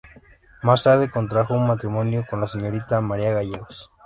Más tarde contrajo matrimonio con la señorita María Gallegos.